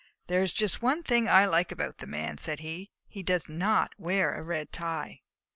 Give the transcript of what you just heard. "There is just one thing I like about the Man," said he. "He does not wear a red tie."